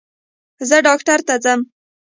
زه ډاکټر ته ځم